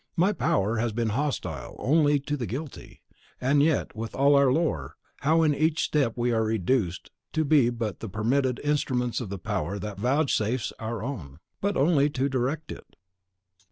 My power has been hostile only to the guilty; and yet with all our lore, how in each step we are reduced to be but the permitted instruments of the Power that vouchsafes our own, but only to direct it.